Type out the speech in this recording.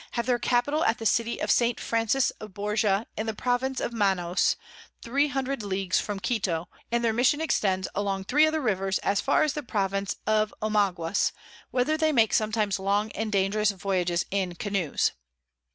have their Capital at the City of St. Francis of Borja in the Province of Manos, 300 Leagues from Quito; and their Mission extends along three other Rivers as far as the Province of the Omaguas, whither they make sometimes long and dangerous Voyages in Canoes.